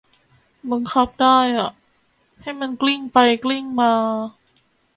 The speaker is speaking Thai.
บังคับได้อะ ให้มันกลิ้งไปกลิ้งมา